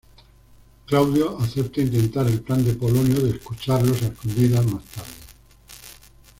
Claudio acepta intentar el plan de Polonio de escucharlos a escondidas más tarde.